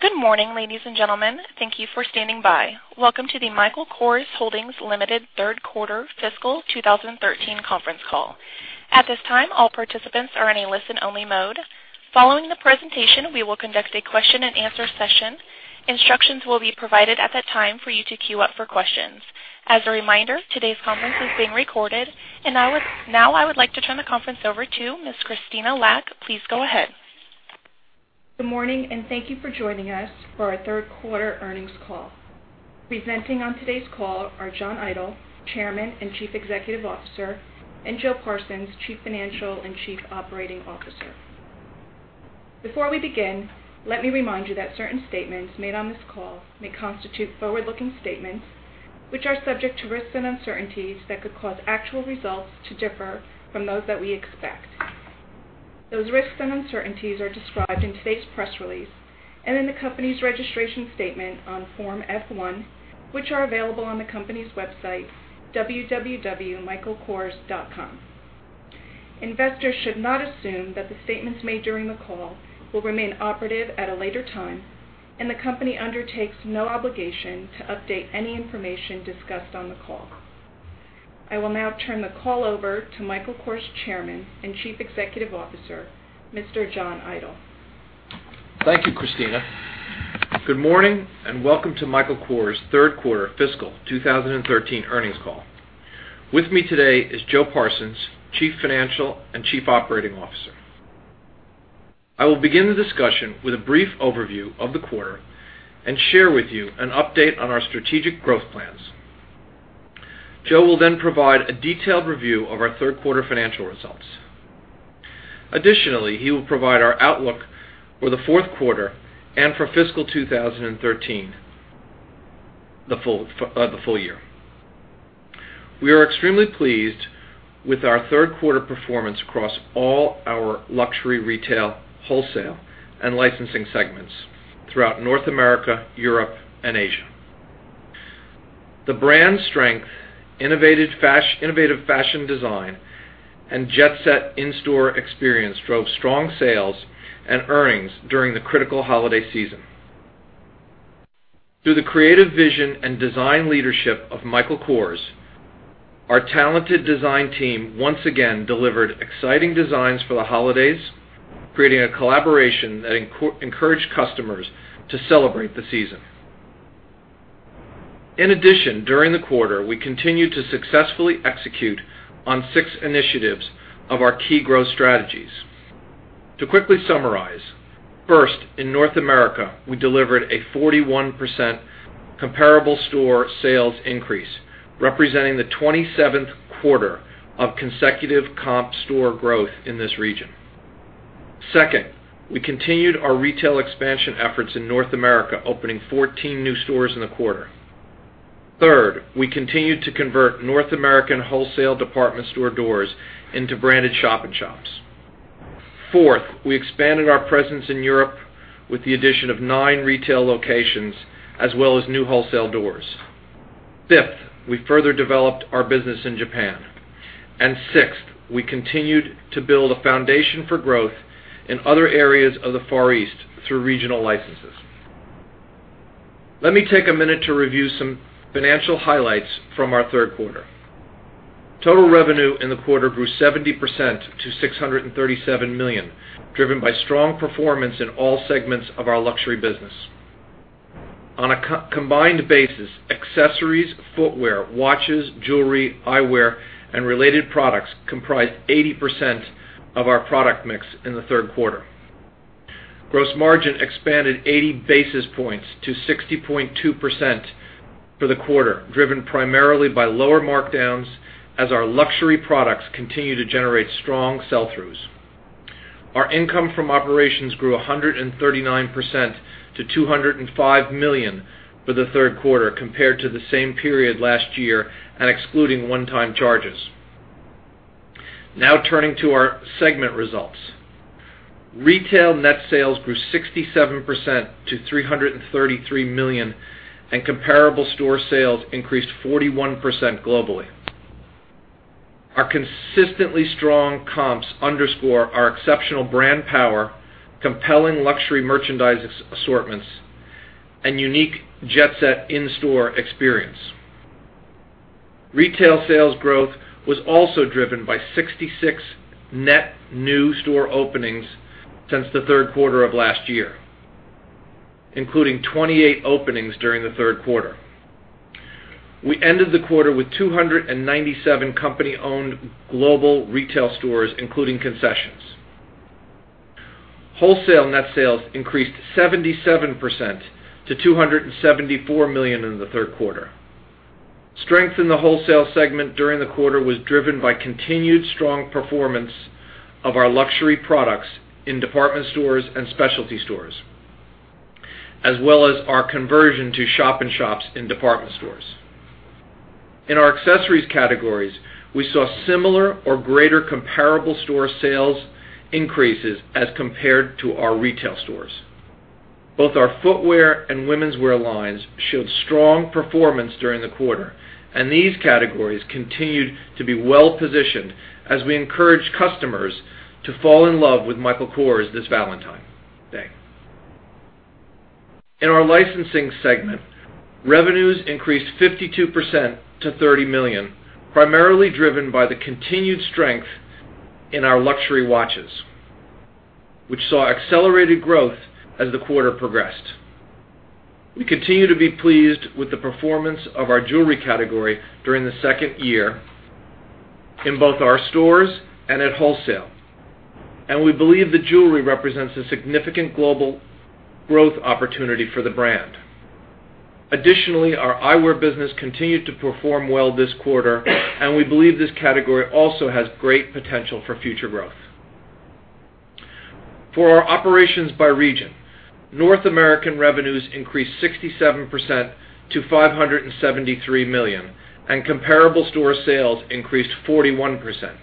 Good morning, ladies and gentlemen. Thank you for standing by. Welcome to the Michael Kors Holdings Limited third quarter fiscal 2013 conference call. At this time, all participants are in a listen-only mode. Following the presentation, we will conduct a question and answer session. Instructions will be provided at that time for you to queue up for questions. As a reminder, today's conference is being recorded. Now I would like to turn the conference over to Ms. Krystyna Lack. Please go ahead. Good morning. Thank you for joining us for our third quarter earnings call. Presenting on today's call are John Idol, Chairman and Chief Executive Officer, and Joe Parsons, Chief Financial and Chief Operating Officer. Before we begin, let me remind you that certain statements made on this call may constitute forward-looking statements, which are subject to risks and uncertainties that could cause actual results to differ from those that we expect. Those risks and uncertainties are described in today's press release and in the company's registration statement on Form F-1, which are available on the company's website, www.michaelkors.com. Investors should not assume that the statements made during the call will remain operative at a later time, and the company undertakes no obligation to update any information discussed on the call. I will now turn the call over to Michael Kors Chairman and Chief Executive Officer, Mr. John Idol. Thank you, Krystyna. Good morning. Welcome to Michael Kors's third quarter fiscal 2013 earnings call. With me today is Joe Parsons, Chief Financial and Chief Operating Officer. I will begin the discussion with a brief overview of the quarter and share with you an update on our strategic growth plans. Joe will then provide a detailed review of our third-quarter financial results. Additionally, he will provide our outlook for the fourth quarter and for fiscal 2013, the full year. We are extremely pleased with our third-quarter performance across all our luxury retail, wholesale, and licensing segments throughout North America, Europe, and Asia. The brand strength, innovative fashion design, and Jet Set in-store experience drove strong sales and earnings during the critical holiday season. Through the creative vision and design leadership of Michael Kors, our talented design team once again delivered exciting designs for the holidays, creating a collaboration that encouraged customers to celebrate the season. In addition, during the quarter, we continued to successfully execute on six initiatives of our key growth strategies. To quickly summarize, first, in North America, we delivered a 41% comparable store sales increase, representing the 27th quarter of consecutive comp store growth in this region. Second, we continued our retail expansion efforts in North America, opening 14 new stores in the quarter. Third, we continued to convert North American wholesale department store doors into branded shop-in-shops. Fourth, we expanded our presence in Europe with the addition of nine retail locations as well as new wholesale doors. Fifth, we further developed our business in Japan. Sixth, we continued to build a foundation for growth in other areas of the Far East through regional licenses. Let me take a minute to review some financial highlights from our third quarter. Total revenue in the quarter grew 70% to $637 million, driven by strong performance in all segments of our luxury business. On a combined basis, accessories, footwear, watches, jewelry, eyewear, and related products comprised 80% of our product mix in the third quarter. Gross margin expanded 80 basis points to 60.2% for the quarter, driven primarily by lower markdowns as our luxury products continue to generate strong sell-throughs. Our income from operations grew 139% to $205 million for the third quarter compared to the same period last year and excluding one-time charges. Turning to our segment results. Retail net sales grew 67% to $333 million, and comparable store sales increased 41% globally. Our consistently strong comps underscore our exceptional brand power, compelling luxury merchandise assortments, and unique Jet Set in-store experience. Retail sales growth was also driven by 66 net new store openings since the third quarter of last year, including 28 openings during the third quarter. We ended the quarter with 297 company-owned global retail stores, including concessions. Wholesale net sales increased 77% to $274 million in the third quarter. Strength in the wholesale segment during the quarter was driven by continued strong performance of our luxury products in department stores and specialty stores, as well as our conversion to shop-in-shops in department stores. In our accessories categories, we saw similar or greater comparable store sales increases as compared to our retail stores. Both our footwear and womenswear lines showed strong performance during the quarter, and these categories continued to be well-positioned as we encouraged customers to fall in love with Michael Kors this Valentine's Day. In our licensing segment, revenues increased 52% to $30 million, primarily driven by the continued strength in our luxury watches, which saw accelerated growth as the quarter progressed. We continue to be pleased with the performance of our jewelry category during the second year in both our stores and at wholesale, and we believe that jewelry represents a significant global growth opportunity for the brand. Additionally, our eyewear business continued to perform well this quarter, and we believe this category also has great potential for future growth. For our operations by region, North American revenues increased 67% to $573 million, and comparable store sales increased 41%.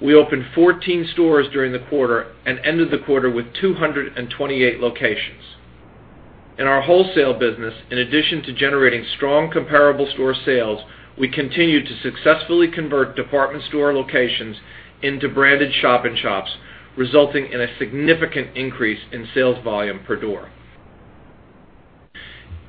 We opened 14 stores during the quarter and ended the quarter with 228 locations. In our wholesale business, in addition to generating strong comparable store sales, we continued to successfully convert department store locations into branded shop-in-shops, resulting in a significant increase in sales volume per door.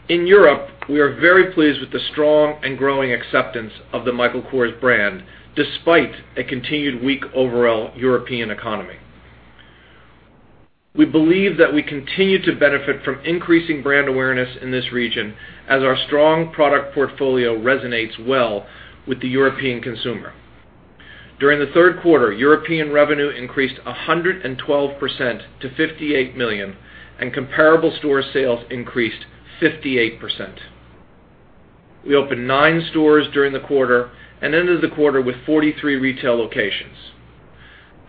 In Europe, we are very pleased with the strong and growing acceptance of the Michael Kors brand, despite a continued weak overall European economy. We believe that we continue to benefit from increasing brand awareness in this region as our strong product portfolio resonates well with the European consumer. During the third quarter, European revenue increased 112% to $58 million, and comparable store sales increased 58%. We opened nine stores during the quarter and ended the quarter with 43 retail locations.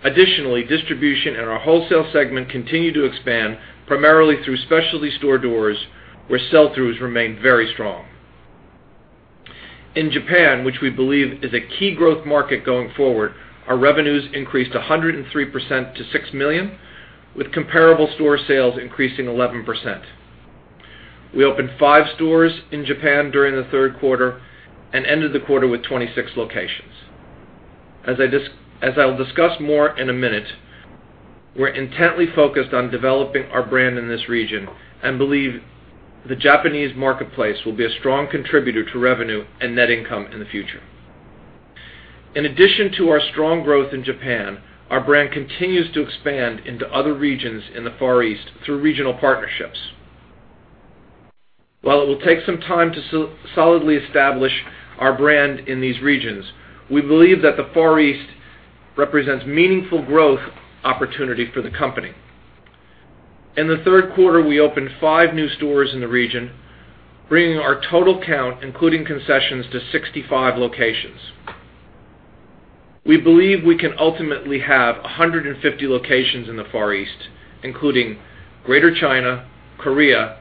Additionally, distribution in our wholesale segment continued to expand, primarily through specialty store doors, where sell-throughs remained very strong. In Japan, which we believe is a key growth market going forward, our revenues increased 103% to $6 million, with comparable store sales increasing 11%. We opened five stores in Japan during the third quarter and ended the quarter with 26 locations. As I'll discuss more in a minute, we're intently focused on developing our brand in this region and believe the Japanese marketplace will be a strong contributor to revenue and net income in the future. In addition to our strong growth in Japan, our brand continues to expand into other regions in the Far East through regional partnerships. While it will take some time to solidly establish our brand in these regions, we believe that the Far East represents meaningful growth opportunity for the company. In the third quarter, we opened five new stores in the region, bringing our total count, including concessions, to 65 locations. We believe we can ultimately have 150 locations in the Far East, including Greater China, Korea,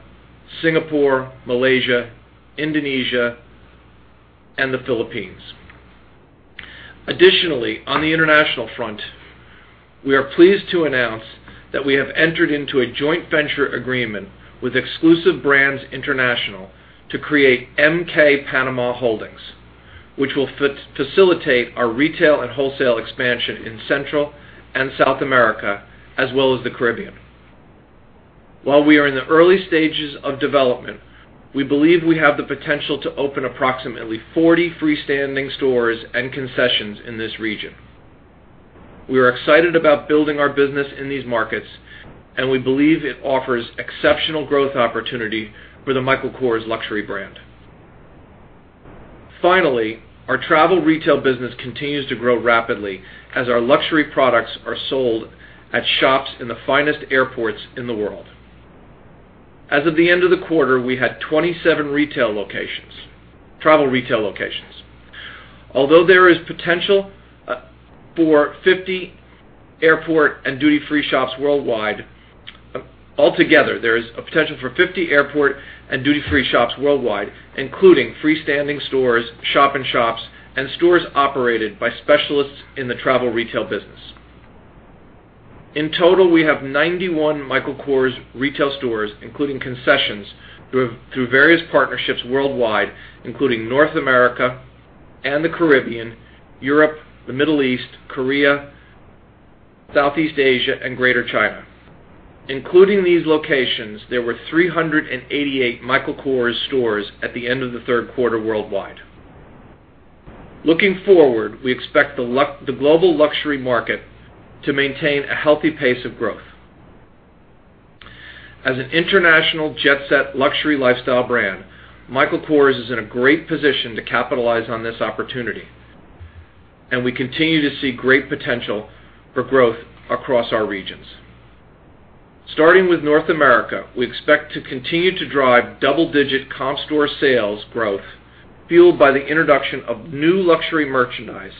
Singapore, Malaysia, Indonesia, and the Philippines. Additionally, on the international front, we are pleased to announce that we have entered into a joint venture agreement with Exclusive Brands International to create MK Panama Holdings, which will facilitate our retail and wholesale expansion in Central and South America as well as the Caribbean. While we are in the early stages of development, we believe we have the potential to open approximately 40 freestanding stores and concessions in this region. We are excited about building our business in these markets, and we believe it offers exceptional growth opportunity for the Michael Kors luxury brand. Finally, our travel retail business continues to grow rapidly as our luxury products are sold at shops in the finest airports in the world. As of the end of the quarter, we had 27 travel retail locations. Altogether, there is a potential for 50 airport and duty-free shops worldwide, including freestanding stores, shop-in-shops, and stores operated by specialists in the travel retail business. In total, we have 91 Michael Kors retail stores, including concessions through various partnerships worldwide, including North America and the Caribbean, Europe, the Middle East, Korea, Southeast Asia, and Greater China. Including these locations, there were 388 Michael Kors stores at the end of the third quarter worldwide. Looking forward, we expect the global luxury market to maintain a healthy pace of growth. As an international Jet Set luxury lifestyle brand, Michael Kors is in a great position to capitalize on this opportunity, and we continue to see great potential for growth across our regions. Starting with North America, we expect to continue to drive double-digit comp store sales growth fueled by the introduction of new luxury merchandise,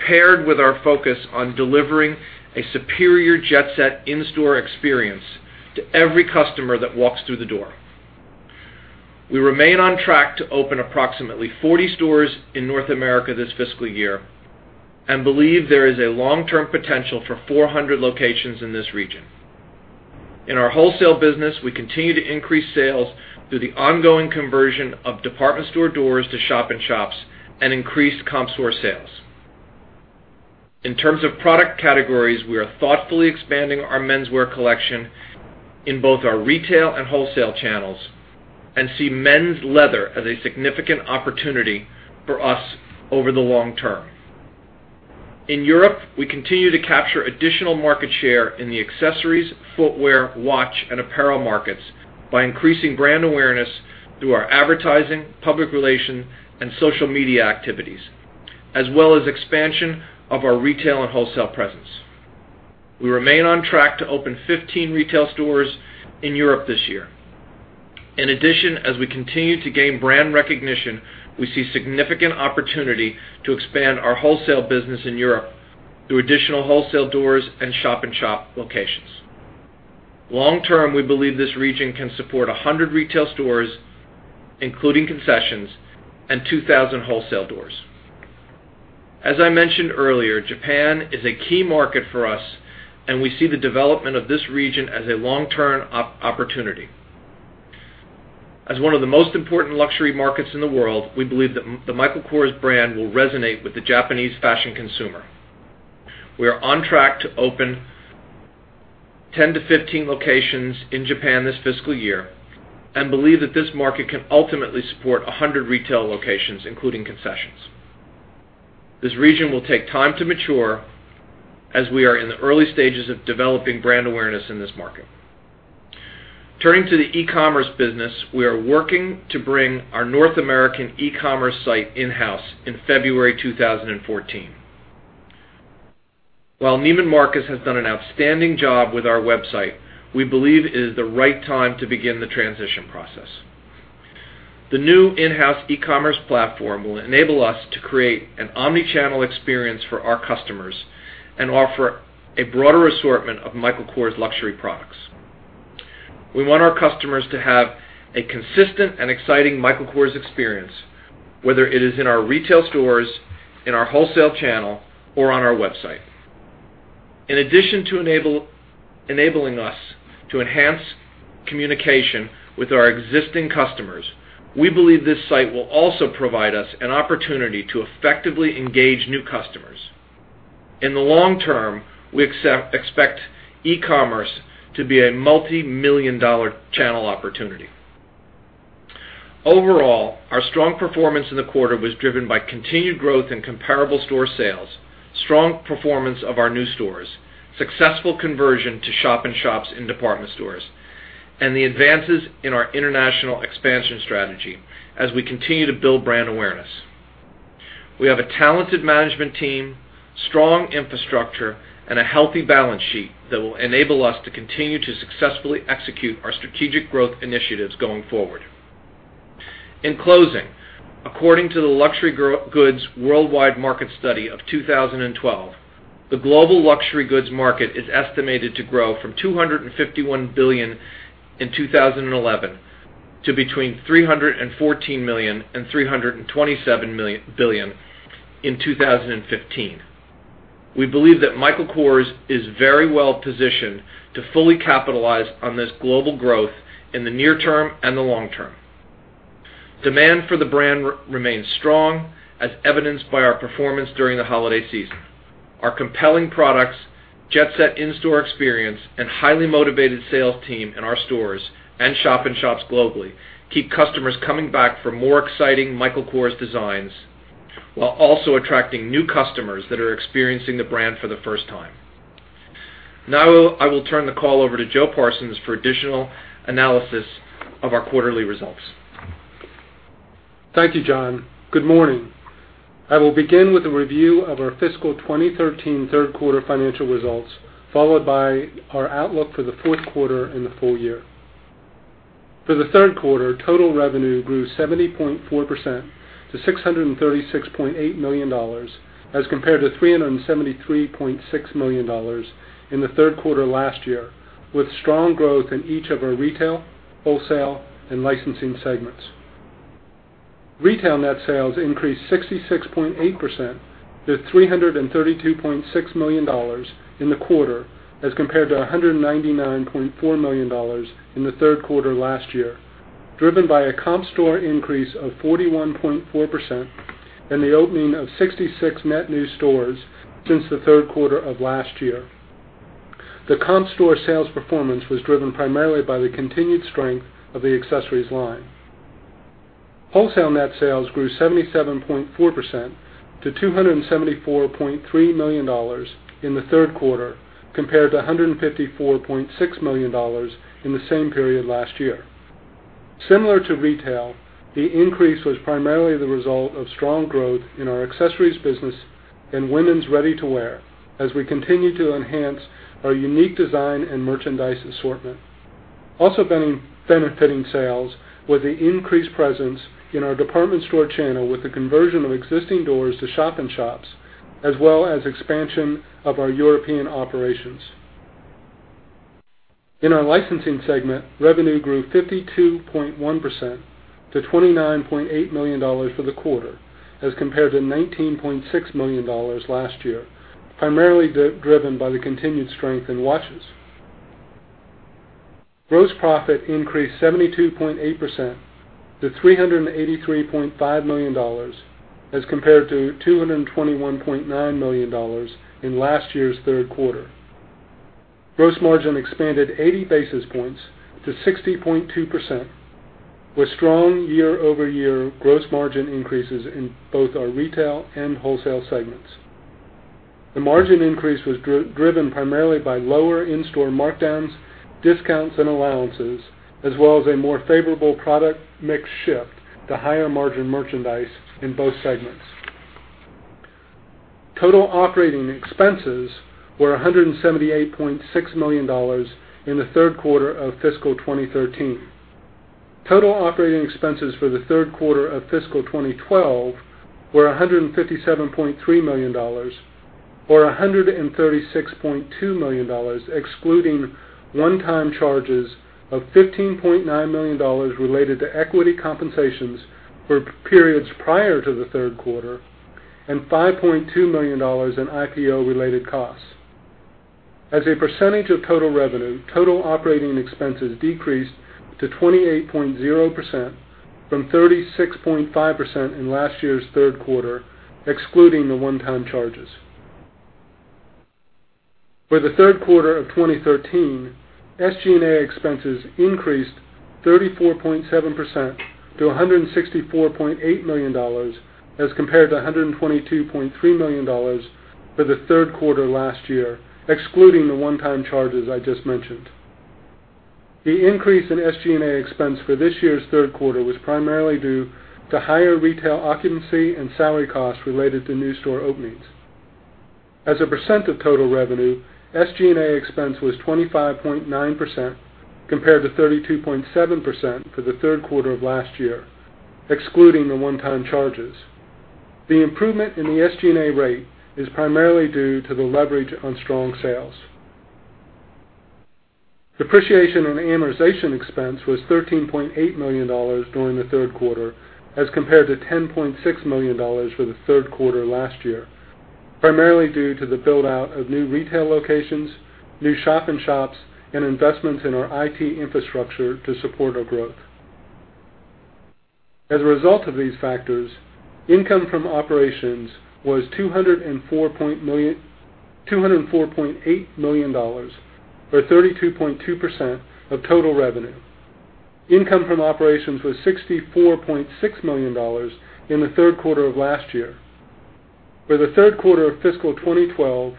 paired with our focus on delivering a superior Jet Set in-store experience to every customer that walks through the door. We remain on track to open approximately 40 stores in North America this fiscal year and believe there is a long-term potential for 400 locations in this region. In our wholesale business, we continue to increase sales through the ongoing conversion of department store doors to shop-in-shops and increased comp store sales. In terms of product categories, we are thoughtfully expanding our menswear collection in both our retail and wholesale channels and see men's leather as a significant opportunity for us over the long term. In Europe, we continue to capture additional market share in the accessories, footwear, watch, and apparel markets by increasing brand awareness through our advertising, public relation, and social media activities, as well as expansion of our retail and wholesale presence. We remain on track to open 15 retail stores in Europe this year. In addition, as we continue to gain brand recognition, we see significant opportunity to expand our wholesale business in Europe through additional wholesale doors and shop-in-shop locations. Long-term, we believe this region can support 100 retail stores, including concessions, and 2,000 wholesale doors. As I mentioned earlier, Japan is a key market for us, and we see the development of this region as a long-term opportunity. As one of the most important luxury markets in the world, we believe the Michael Kors brand will resonate with the Japanese fashion consumer. We are on track to open 10 to 15 locations in Japan this fiscal year and believe that this market can ultimately support 100 retail locations, including concessions. This region will take time to mature as we are in the early stages of developing brand awareness in this market. Turning to the e-commerce business, we are working to bring our North American e-commerce site in-house in February 2014. While Neiman Marcus has done an outstanding job with our website, we believe it is the right time to begin the transition process. The new in-house e-commerce platform will enable us to create an omni-channel experience for our customers and offer a broader assortment of Michael Kors luxury products. We want our customers to have a consistent and exciting Michael Kors experience, whether it is in our retail stores, in our wholesale channel, or on our website. In addition to enabling us to enhance communication with our existing customers, we believe this site will also provide us an opportunity to effectively engage new customers. In the long term, we expect e-commerce to be a multimillion-dollar channel opportunity. Overall, our strong performance in the quarter was driven by continued growth in comparable store sales, strong performance of our new stores, successful conversion to shop-in-shops in department stores, and the advances in our international expansion strategy as we continue to build brand awareness. We have a talented management team, strong infrastructure, and a healthy balance sheet that will enable us to continue to successfully execute our strategic growth initiatives going forward. In closing, according to the Luxury Goods Worldwide Market Study of 2012, the global luxury goods market is estimated to grow from $251 billion in 2011 to between $314 billion and $327 billion in 2015. We believe that Michael Kors is very well positioned to fully capitalize on this global growth in the near term and the long term. Demand for the brand remains strong, as evidenced by our performance during the holiday season. Our compelling products, Jet Set in-store experience, and highly motivated sales team in our stores and shop-in-shops globally keep customers coming back for more exciting Michael Kors designs while also attracting new customers that are experiencing the brand for the first time. Now, I will turn the call over to Joe Parsons for additional analysis of our quarterly results. Thank you, John. Good morning. I will begin with a review of our fiscal 2013 third quarter financial results, followed by our outlook for the fourth quarter and the full year. For the third quarter, total revenue grew 70.4% to $636.8 million as compared to $373.6 million in the third quarter last year, with strong growth in each of our retail, wholesale, and licensing segments. Retail net sales increased 66.8% to $332.6 million in the quarter as compared to $199.4 million in the third quarter last year, driven by a comp store increase of 41.4% and the opening of 66 net new stores since the third quarter of last year. The comp store sales performance was driven primarily by the continued strength of the accessories line. Wholesale net sales grew 77.4% to $274.3 million in the third quarter, compared to $154.6 million in the same period last year. Similar to retail, the increase was primarily the result of strong growth in our accessories business and women's ready-to-wear as we continue to enhance our unique design and merchandise assortment. Also benefiting sales was the increased presence in our department store channel with the conversion of existing doors to shop-in-shops, as well as expansion of our European operations. In our licensing segment, revenue grew 52.1% to $29.8 million for the quarter as compared to $19.6 million last year, primarily driven by the continued strength in watches. Gross profit increased 72.8% to $383.5 million as compared to $221.9 million in last year's third quarter. Gross margin expanded 80 basis points to 60.2%, with strong year-over-year gross margin increases in both our retail and wholesale segments. The margin increase was driven primarily by lower in-store markdowns, discounts, and allowances, as well as a more favorable product mix shift to higher margin merchandise in both segments. Total operating expenses were $178.6 million in the third quarter of fiscal 2013. Total operating expenses for the third quarter of fiscal 2012 were $157.3 million, or $136.2 million excluding one-time charges of $15.9 million related to equity compensations for periods prior to the third quarter and $5.2 million in IPO-related costs. As a percentage of total revenue, total operating expenses decreased to 28.0% from 36.5% in last year's third quarter, excluding the one-time charges. For the third quarter of 2013, SG&A expenses increased 34.7% to $164.8 million as compared to $122.3 million for the third quarter last year, excluding the one-time charges I just mentioned. The increase in SG&A expense for this year's third quarter was primarily due to higher retail occupancy and salary costs related to new store openings. As a percent of total revenue, SG&A expense was 25.9%, compared to 32.7% for the third quarter of last year, excluding the one-time charges. The improvement in the SG&A rate is primarily due to the leverage on strong sales. Depreciation and amortization expense was $13.8 million during the third quarter as compared to $10.6 million for the third quarter last year, primarily due to the build-out of new retail locations, new shop-in-shops, and investments in our IT infrastructure to support our growth. As a result of these factors, income from operations was $204.8 million, or 32.2% of total revenue. Income from operations was $64.6 million in the third quarter of last year. For the third quarter of fiscal 2012,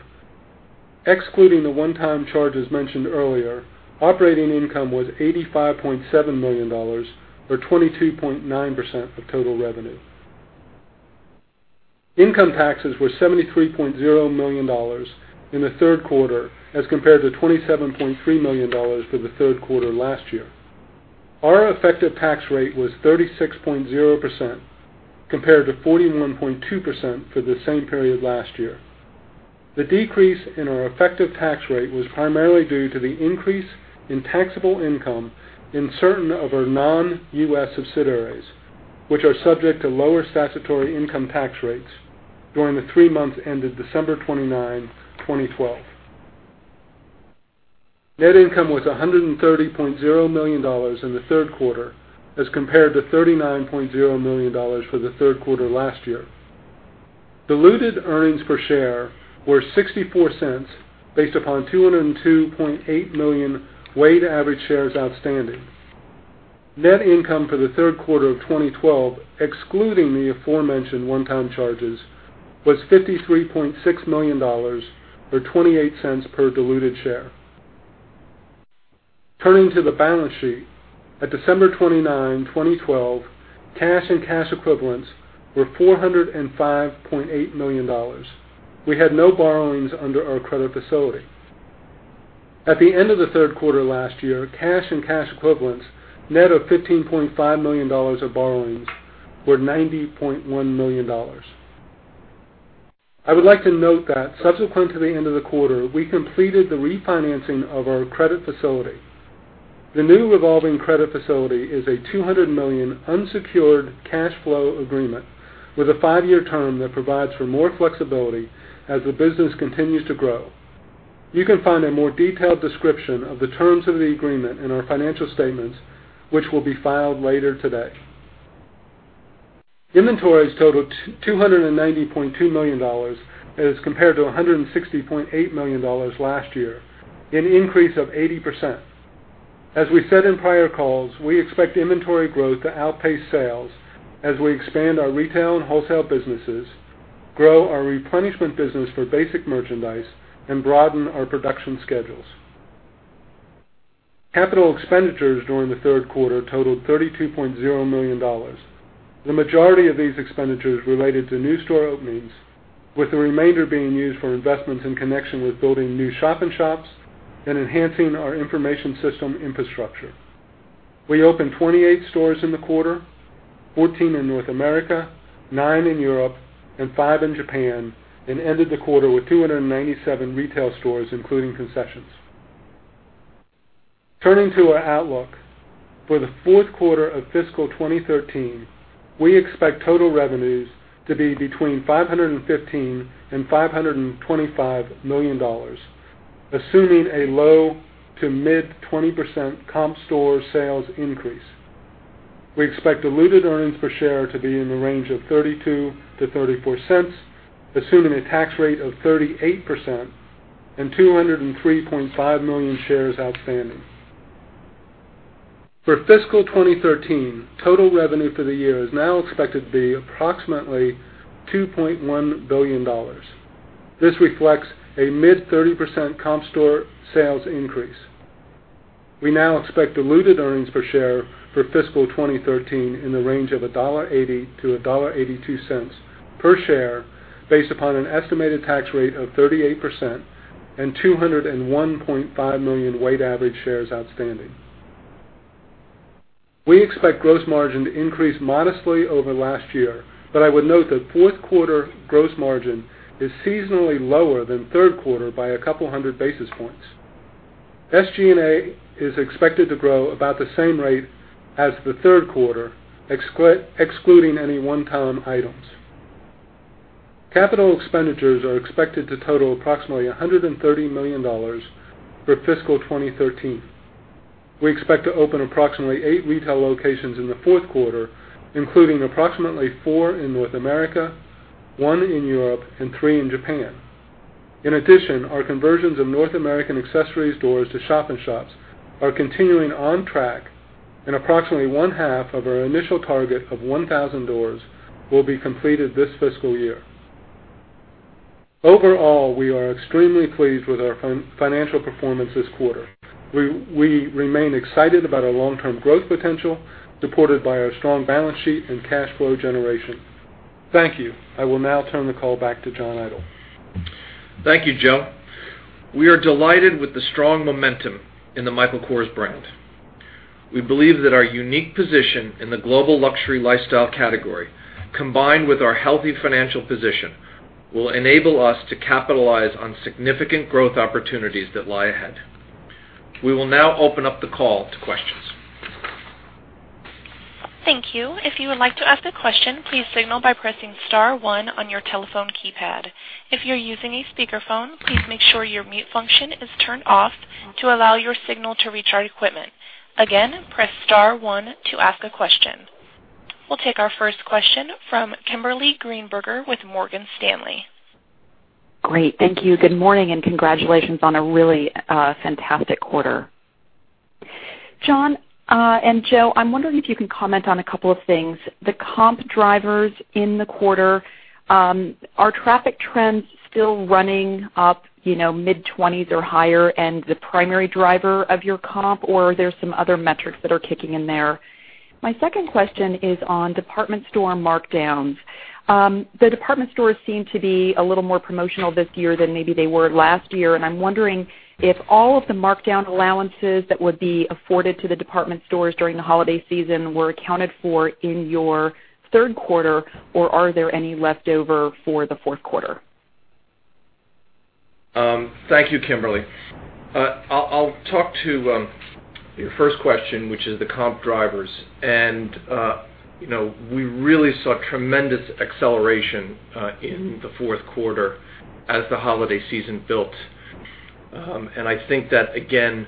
excluding the one-time charges mentioned earlier, operating income was $85.7 million, or 22.9% of total revenue. Income taxes were $73.0 million in the third quarter as compared to $27.3 million for the third quarter last year. Our effective tax rate was 36.0%, compared to 41.2% for the same period last year. The decrease in our effective tax rate was primarily due to the increase in taxable income in certain of our non-U.S. subsidiaries, which are subject to lower statutory income tax rates during the three months ended December 29, 2012. Net income was $130.0 million in the third quarter as compared to $39.0 million for the third quarter last year. Diluted earnings per share were $0.64 based upon 202.8 million weighted average shares outstanding. Net income for the third quarter of 2012, excluding the aforementioned one-time charges, was $53.6 million, or $0.28 per diluted share. Turning to the balance sheet. At December 29, 2012, cash and cash equivalents were $405.8 million. We had no borrowings under our credit facility. At the end of the third quarter last year, cash and cash equivalents, net of $15.5 million of borrowings, were $90.1 million. I would like to note that subsequent to the end of the quarter, we completed the refinancing of our credit facility. The new revolving credit facility is a $200 million unsecured cash flow agreement with a five-year term that provides for more flexibility as the business continues to grow. You can find a more detailed description of the terms of the agreement in our financial statements, which will be filed later today. Inventories totaled $290.2 million as compared to $160.8 million last year, an increase of 80%. As we said in prior calls, we expect inventory growth to outpace sales as we expand our retail and wholesale businesses, grow our replenishment business for basic merchandise, and broaden our production schedules. Capital expenditures during the third quarter totaled $32.0 million. The majority of these expenditures related to new store openings, with the remainder being used for investments in connection with building new shop-in-shops and enhancing our information system infrastructure. We opened 28 stores in the quarter, 14 in North America, nine in Europe, and five in Japan, and ended the quarter with 297 retail stores, including concessions. Turning to our outlook. For the fourth quarter of fiscal 2013, we expect total revenues to be between $515 million and $525 million, assuming a low to mid 20% comp store sales increase. We expect diluted earnings per share to be in the range of $0.32 to $0.34, assuming a tax rate of 38% and 203.5 million shares outstanding. For fiscal 2013, total revenue for the year is now expected to be approximately $2.1 billion. This reflects a mid 30% comp store sales increase. We now expect diluted earnings per share for fiscal 2013 in the range of $1.80 to $1.82 per share, based upon an estimated tax rate of 38% and 201.5 million weighted average shares outstanding. We expect gross margin to increase modestly over last year, but I would note that fourth quarter gross margin is seasonally lower than third quarter by a couple of hundred basis points. SG&A is expected to grow about the same rate as the third quarter, excluding any one-time items. Capital expenditures are expected to total approximately $130 million for fiscal 2013. We expect to open approximately 8 retail locations in the fourth quarter, including approximately 4 in North America, 1 in Europe, and 3 in Japan. In addition, our conversions of North American accessories stores to shop-in-shops are continuing on track, and approximately one half of our initial target of 1,000 stores will be completed this fiscal year. Overall, we are extremely pleased with our financial performance this quarter. We remain excited about our long-term growth potential, supported by our strong balance sheet and cash flow generation. Thank you. I will now turn the call back to John Idol. Thank you, Joe. We are delighted with the strong momentum in the Michael Kors brand. We believe that our unique position in the global luxury lifestyle category, combined with our healthy financial position, will enable us to capitalize on significant growth opportunities that lie ahead. We will now open up the call to questions. Thank you. If you would like to ask a question, please signal by pressing star 1 on your telephone keypad. If you're using a speakerphone, please make sure your mute function is turned off to allow your signal to reach our equipment. Again, press star 1 to ask a question. We'll take our first question from Kimberly Greenberger with Morgan Stanley. Great, thank you. Good morning and congratulations on a really fantastic quarter. John and Joe, I'm wondering if you can comment on a couple of things. The comp drivers in the quarter, are traffic trends still running up mid-20s or higher and the primary driver of your comp, or are there some other metrics that are kicking in there? My second question is on department store markdowns. The department stores seem to be a little more promotional this year than maybe they were last year, and I'm wondering if all of the markdown allowances that would be afforded to the department stores during the holiday season were accounted for in your third quarter, or are there any leftover for the fourth quarter? Thank you, Kimberly. I'll talk to your first question, which is the comp drivers. We really saw tremendous acceleration in the fourth quarter as the holiday season built. I think that, again,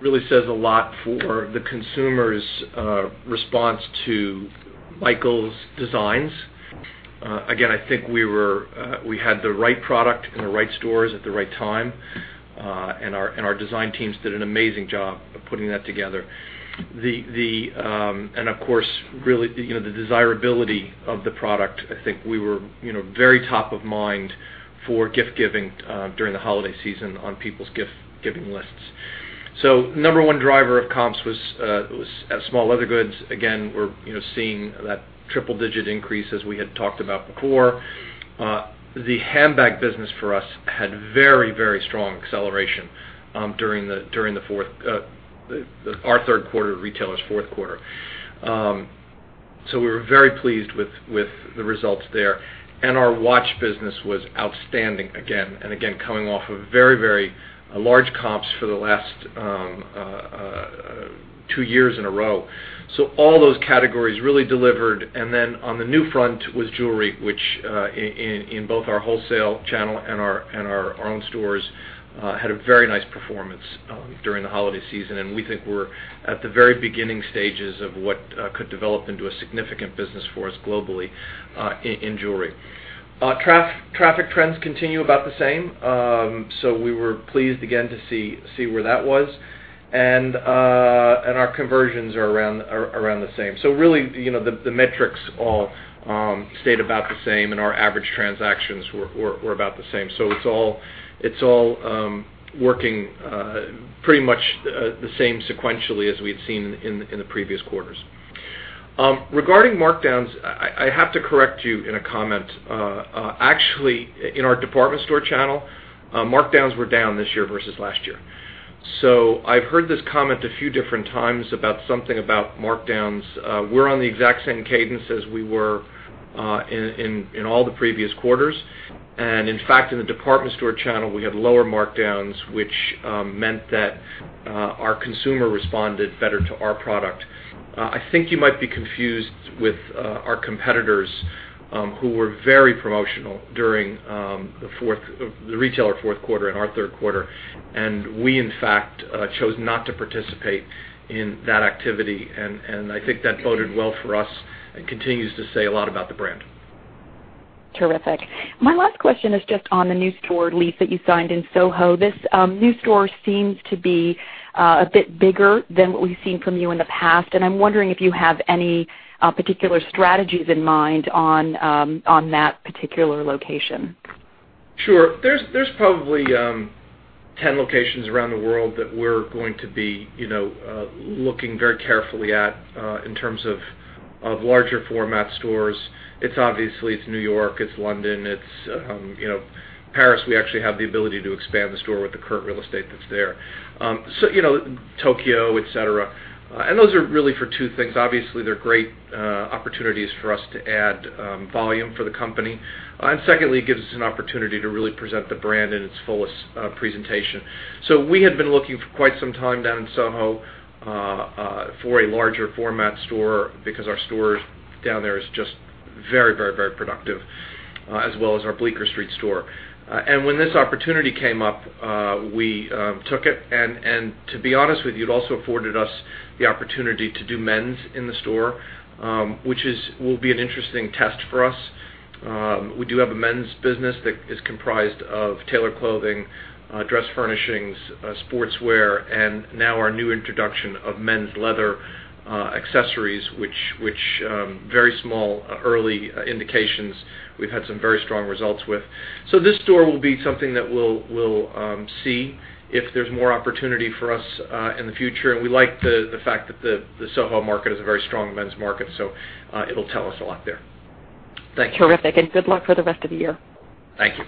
really says a lot for the consumer's response to Michael Kors' designs. Again, I think we had the right product in the right stores at the right time, and our design teams did an amazing job of putting that together. Of course, the desirability of the product, I think we were very top of mind for gift-giving during the holiday season on people's gift-giving lists. The number one driver of comps was Small Leather Goods. Again, we're seeing that triple-digit increase, as we had talked about before. The handbag business for us had very strong acceleration during our third quarter, retailers' fourth quarter. We were very pleased with the results there. Our watch business was outstanding again, and again, coming off of very large comps for the last two years in a row. All those categories really delivered, and then on the new front was jewelry, which in both our wholesale channel and our own stores had a very nice performance during the holiday season. We think we're at the very beginning stages of what could develop into a significant business for us globally in jewelry. Traffic trends continue about the same. We were pleased again to see where that was. Our conversions are around the same. Really, the metrics all stayed about the same, and our average transactions were about the same. It's all working pretty much the same sequentially as we had seen in the previous quarters. Regarding markdowns, I have to correct you in a comment. Actually, in our department store channel, markdowns were down this year versus last year. I've heard this comment a few different times about something about markdowns. We're on the exact same cadence as we were in all the previous quarters. In fact, in the department store channel, we have lower markdowns, which meant that our consumer responded better to our product. I think you might be confused with our competitors, who were very promotional during the retailer fourth quarter and our third quarter, and we, in fact, chose not to participate in that activity, and I think that boded well for us and continues to say a lot about the brand. Terrific. My last question is just on the new store lease that you signed in Soho. This new store seems to be a bit bigger than what we've seen from you in the past, and I'm wondering if you have any particular strategies in mind on that particular location. Sure. There's probably 10 locations around the world that we're going to be looking very carefully at in terms of larger format stores. It's obviously New York, it's London, it's Paris. We actually have the ability to expand the store with the current real estate that's there. Tokyo, et cetera. Those are really for two things. Obviously, they're great opportunities for us to add volume for the company. Secondly, it gives us an opportunity to really present the brand in its fullest presentation. We had been looking for quite some time down in Soho, for a larger format store because our store down there is just very productive, as well as our Bleecker Street store. When this opportunity came up, we took it. To be honest with you, it also afforded us the opportunity to do men's in the store, which will be an interesting test for us. We do have a men's business that is comprised of tailored clothing, dress furnishings, sportswear, and now our new introduction of men's leather accessories, which very small early indications we've had some very strong results with. This store will be something that we'll see if there's more opportunity for us in the future. We like the fact that the Soho market is a very strong men's market. It'll tell us a lot there. Thank you. Terrific. Good luck for the rest of the year. Thank you.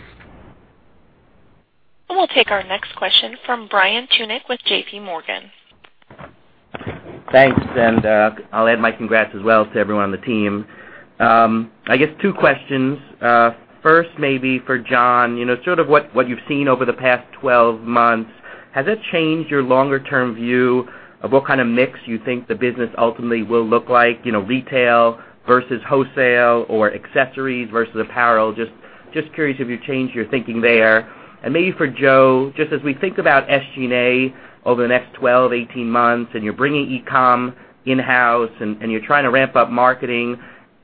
We'll take our next question from Brian Tunick with JPMorgan. Thanks. I'll add my congrats as well to everyone on the team. I guess two questions. First, maybe for John, what you've seen over the past 12 months, has it changed your longer-term view of what kind of mix you think the business ultimately will look like, retail versus wholesale or accessories versus apparel? Just curious if you've changed your thinking there. Maybe for Joe, as we think about SG&A over the next 12, 18 months, you're bringing e-com in-house and you're trying to ramp up marketing,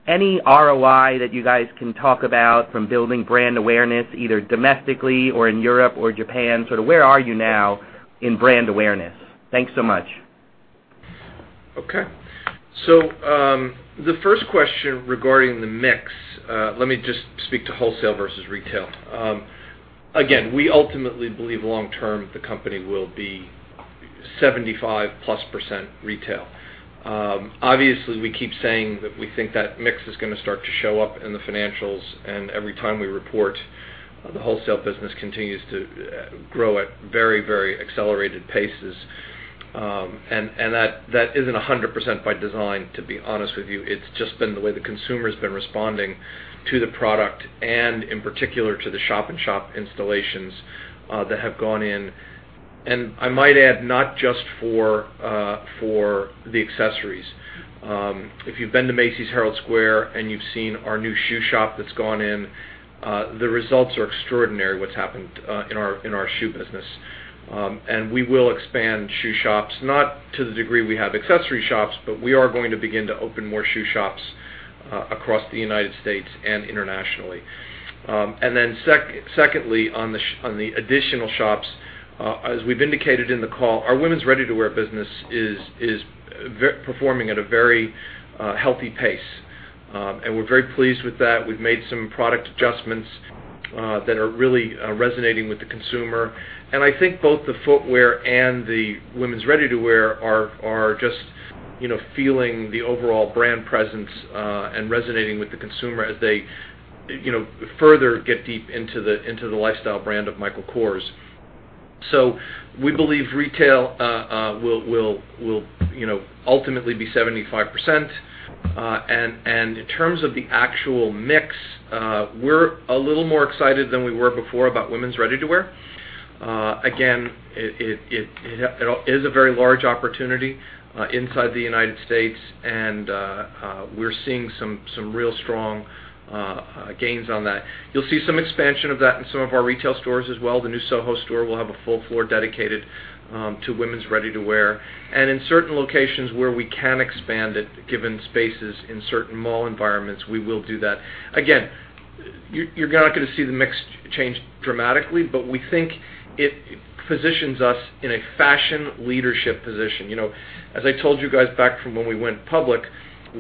any ROI that you guys can talk about from building brand awareness, either domestically or in Europe or Japan, where are you now in brand awareness? Thanks so much. Okay. The first question regarding the mix, let me just speak to wholesale versus retail. Again, we ultimately believe long term the company will be 75%+ retail. Obviously, we keep saying that we think that mix is going to start to show up in the financials. Every time we report, the wholesale business continues to grow at very accelerated paces. That isn't 100% by design, to be honest with you. It's just been the way the consumer's been responding to the product and, in particular, to the shop-in-shop installations that have gone in. I might add, not just for the accessories. If you've been to Macy's Herald Square and you've seen our new shoe shop that's gone in, the results are extraordinary what's happened in our shoe business. We will expand shoe shops, not to the degree we have accessory shops, but we are going to begin to open more shoe shops across the U.S. and internationally. Secondly, on the additional shops, as we've indicated in the call, our women's ready-to-wear business is performing at a very healthy pace. We're very pleased with that. We've made some product adjustments that are really resonating with the consumer. I think both the footwear and the women's ready-to-wear are just feeling the overall brand presence, and resonating with the consumer as they further get deep into the lifestyle brand of Michael Kors. We believe retail will ultimately be 75%. In terms of the actual mix, we're a little more excited than we were before about women's ready-to-wear. It is a very large opportunity inside the U.S., and we're seeing some real strong gains on that. You'll see some expansion of that in some of our retail stores as well. The new Soho store will have a full floor dedicated to women's ready-to-wear. In certain locations where we can expand it, given spaces in certain mall environments, we will do that. You're not going to see the mix change dramatically, but we think it positions us in a fashion leadership position. As I told you guys back from when we went public,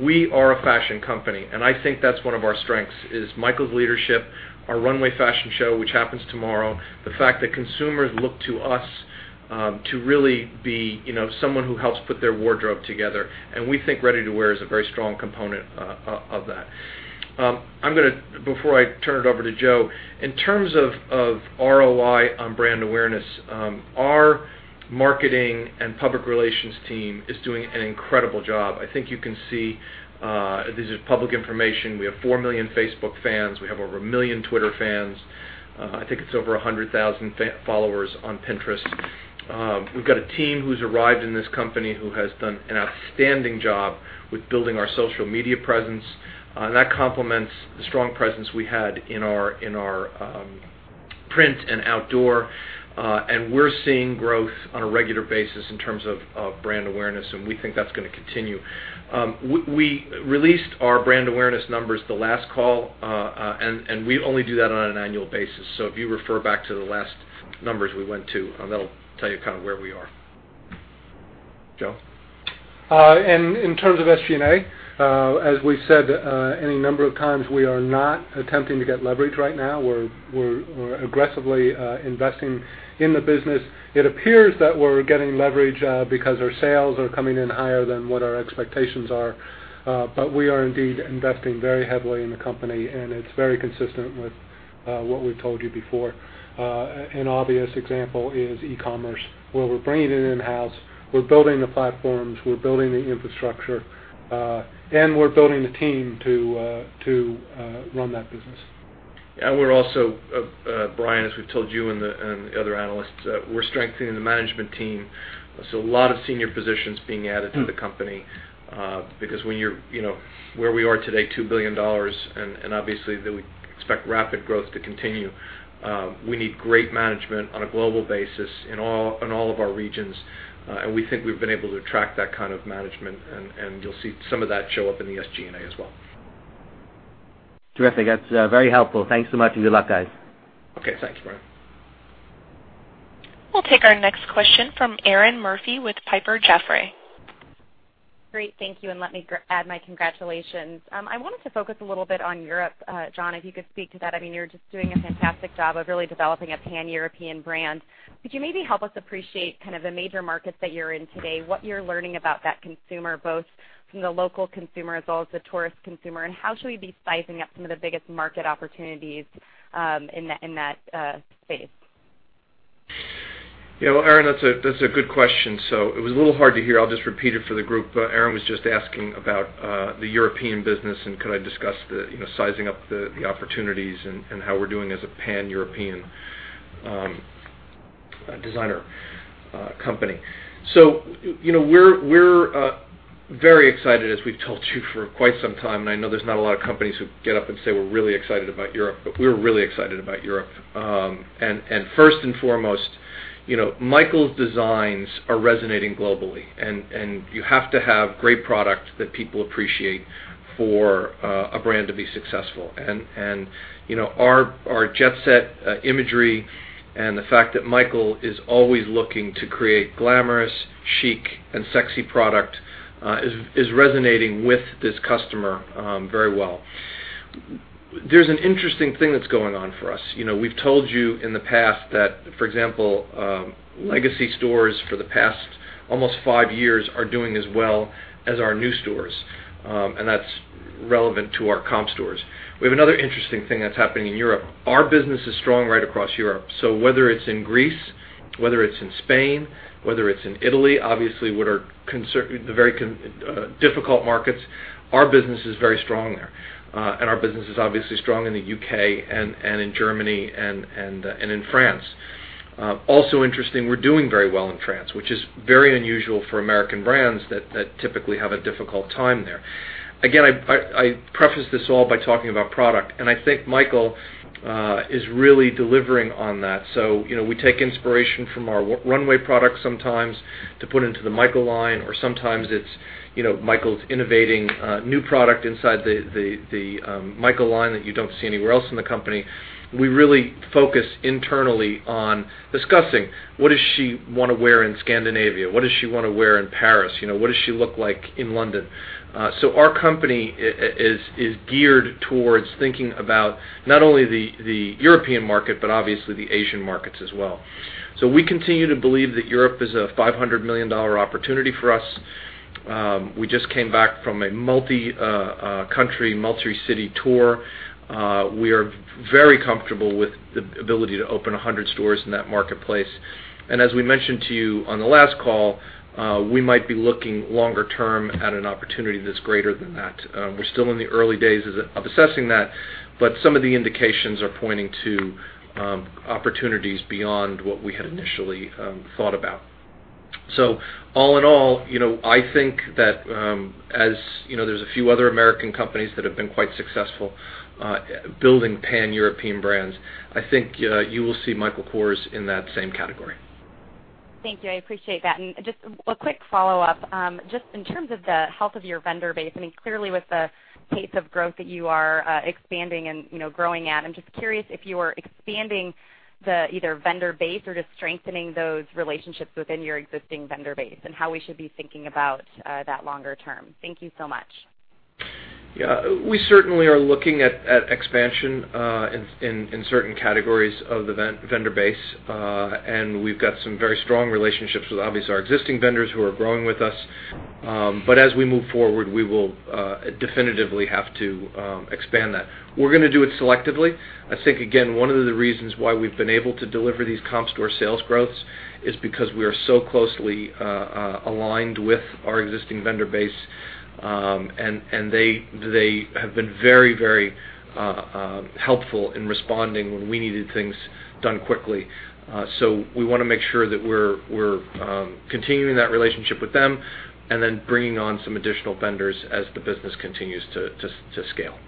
we are a fashion company, and I think that's one of our strengths is Michael's leadership, our runway fashion show, which happens tomorrow, the fact that consumers look to us to really be someone who helps put their wardrobe together, and we think ready-to-wear is a very strong component of that. Before I turn it over to Joe, in terms of ROI on brand awareness, our marketing and public relations team is doing an incredible job. I think you can see, this is public information. We have 4 million Facebook fans. We have over 1 million Twitter fans. I think it's over 100,000 followers on Pinterest. We've got a team who's arrived in this company who has done an outstanding job with building our social media presence. That complements the strong presence we had in our print and outdoor. We're seeing growth on a regular basis in terms of brand awareness, and we think that's going to continue. We released our brand awareness numbers the last call, and we only do that on an annual basis. If you refer back to the last numbers we went to, that'll tell you where we are. Joe? In terms of SG&A, as we've said any number of times, we are not attempting to get leverage right now. We're aggressively investing in the business. It appears that we're getting leverage because our sales are coming in higher than what our expectations are. We are indeed investing very heavily in the company, and it's very consistent with what we've told you before. An obvious example is e-commerce, where we're bringing it in-house, we're building the platforms, we're building the infrastructure, and we're building the team to run that business. We're also, Brian, as we've told you and the other analysts, we're strengthening the management team. A lot of senior positions being added to the company because when you're where we are today, $2 billion, obviously that we expect rapid growth to continue. We need great management on a global basis in all of our regions, and we think we've been able to attract that kind of management, and you'll see some of that show up in the SG&A as well. Terrific. That's very helpful. Thanks so much. Good luck, guys. Okay. Thanks, Brian. We'll take our next question from Erinn Murphy with Piper Jaffray. Great. Thank you. Let me add my congratulations. I wanted to focus a little bit on Europe. John, if you could speak to that. You're just doing a fantastic job of really developing a pan-European brand. Could you maybe help us appreciate the major markets that you're in today, what you're learning about that consumer, both from the local consumer as well as the tourist consumer? How should we be sizing up some of the biggest market opportunities in that space? Erinn, that's a good question. It was a little hard to hear. I'll just repeat it for the group. Erinn was just asking about the European business and could I discuss the sizing up the opportunities and how we're doing as a pan-European designer company. We're very excited, as we've told you for quite some time, and I know there's not a lot of companies who get up and say we're really excited about Europe, but we're really excited about Europe. First and foremost, Michael's designs are resonating globally, and you have to have great product that people appreciate for a brand to be successful. Our Jet Set imagery and the fact that Michael is always looking to create glamorous, chic, and sexy product is resonating with this customer very well. There's an interesting thing that's going on for us. We've told you in the past that, for example, legacy stores for the past almost 5 years are doing as well as our new stores. That's relevant to our comp store sales. We have another interesting thing that's happening in Europe. Our business is strong right across Europe. Whether it's in Greece, whether it's in Spain, whether it's in Italy, obviously what are the very difficult markets, our business is very strong there. Our business is obviously strong in the U.K. and in Germany and in France. Also interesting, we're doing very well in France, which is very unusual for American brands that typically have a difficult time there. Again, I preface this all by talking about product, and I think Michael is really delivering on that. We take inspiration from our runway product sometimes to put into the MICHAEL Michael Kors line, or sometimes it's Michael's innovating new product inside the MICHAEL Michael Kors line that you don't see anywhere else in the company. We really focus internally on discussing what does she want to wear in Scandinavia? What does she want to wear in Paris? What does she look like in London? Our company is geared towards thinking about not only the European market, but obviously the Asian markets as well. We continue to believe that Europe is a $500 million opportunity for us. We just came back from a multi-country, multi-city tour. We are very comfortable with the ability to open 100 stores in that marketplace. As we mentioned to you on the last call, we might be looking longer term at an opportunity that's greater than that. We're still in the early days of assessing that, but some of the indications are pointing to opportunities beyond what we had initially thought about. All in all, I think that as there's a few other American companies that have been quite successful building pan-European brands, I think you will see Michael Kors in that same category. Thank you. I appreciate that. Just a quick follow-up. Just in terms of the health of your vendor base, clearly with the pace of growth that you are expanding and growing at, I'm just curious if you are expanding the either vendor base or just strengthening those relationships within your existing vendor base and how we should be thinking about that longer term. Thank you so much. Yeah. We certainly are looking at expansion in certain categories of the vendor base. We've got some very strong relationships with, obviously, our existing vendors who are growing with us. As we move forward, we will definitively have to expand that. We're going to do it selectively. I think, again, one of the reasons why we've been able to deliver these comp store sales growths is because we are so closely aligned with our existing vendor base. They have been very helpful in responding when we needed things done quickly. We want to make sure that we're continuing that relationship with them and then bringing on some additional vendors as the business continues to scale.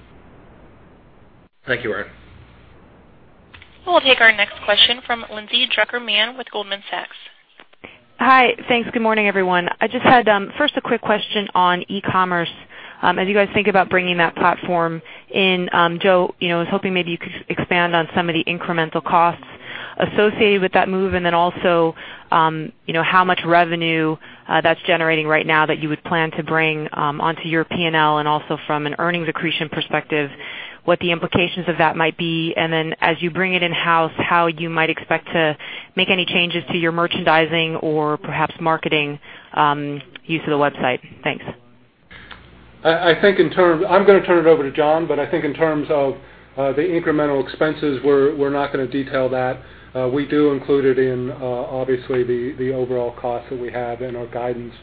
Thank you, Erinn. We'll take our next question from Lindsay Drucker Mann with Goldman Sachs. Hi. Thanks. Good morning, everyone. I just had, first, a quick question on e-commerce. As you guys think about bringing that platform in, Joe, I was hoping maybe you could expand on some of the incremental costs associated with that move, then also how much revenue that's generating right now that you would plan to bring onto your P&L, and also from an earnings accretion perspective, what the implications of that might be. Then as you bring it in-house, how you might expect to make any changes to your merchandising or perhaps marketing use of the website. Thanks. I'm going to turn it over to John. I think in terms of the incremental expenses, we're not going to detail that. We do include it in, obviously, the overall cost that we have in our guidance